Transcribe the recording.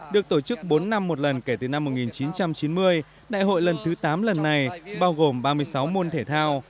được tổ chức bốn năm một lần kể từ năm một nghìn chín trăm chín mươi đại hội lần thứ tám lần này bao gồm ba mươi sáu môn thể thao